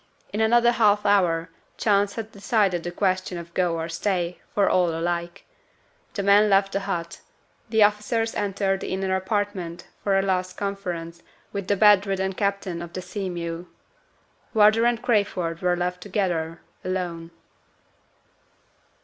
In another half hour chance had decided the question of "Go" or "Stay" for all alike. The men left the hut. The officers entered the inner apartment for a last conference with the bed ridden captain of the Sea mew. Wardour and Crayford were left together, alone.